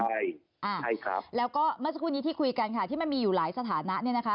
ใช่แล้วก็เมื่อเมนูนี้ที่คุยกันค่ะที่มันมีอยู่หลายสถานะ